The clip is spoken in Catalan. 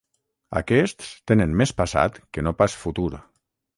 Aquests tenen més passat que no pas futur.